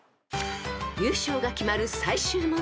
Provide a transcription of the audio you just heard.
［優勝が決まる最終問題］